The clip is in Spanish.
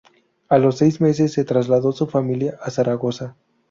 A los seis meses se trasladó su familia a Zaragoza.